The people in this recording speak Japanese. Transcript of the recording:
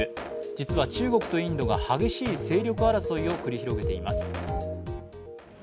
実は中国とインドが激しい勢力争いを繰り広げています。